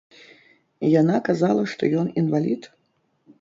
Яна казала, што ён інвалід?